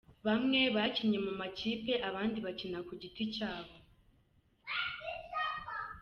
Bamwe bakinnye mu makipe abandi bakina ku giti cyabo.